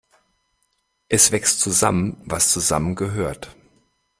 Es wächst zusammen, was zusammengehört.